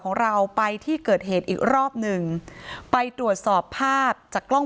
ของเราไปที่เกิดเหตุอีกรอบหนึ่งไปตรวจสอบภาพจากกล้อง